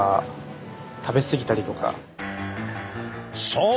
そう！